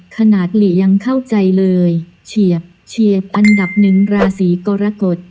หลียังเข้าใจเลยเฉียบเฉียบอันดับหนึ่งราศีกรกฎ